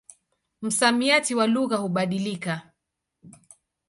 Msamiati wa lugha hubadilika.